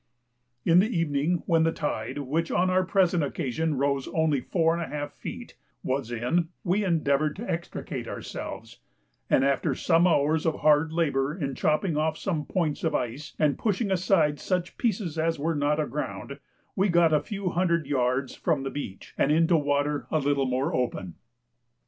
In the evening, when the tide, which on the present occasion rose only 4½ feet, was in, we endeavoured to extricate ourselves; and after some hours of hard labour in chopping off some points of ice, and pushing aside such pieces as were not aground, we got a few hundred yards from the beach, and into water a little more open.